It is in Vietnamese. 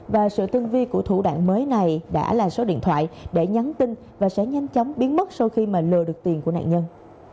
và sự tương vi của thủ đoạn mới này đã là số điện thoại để nhắn tin và sẽ nhanh chóng biến mất sau khi mà lừa được tiền của nạn nhân